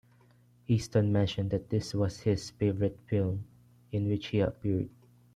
Heston mentioned that this was his favorite film in which he appeared.